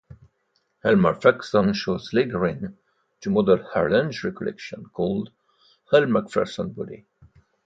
Elle Macpherson chose Liljegren to model her lingerie collection called Elle Macpherson Body.